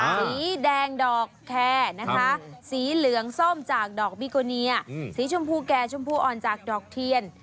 สีแดงดอกแคร์นะคะสีเหลืองส้มจากดอกบิโกเนียสีชมพูแก่ชมพูอ่อนจากดอกเทียน